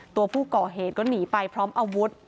ตัวผู้ก่อเหตุก็หนีไปพร้อมอาวุธ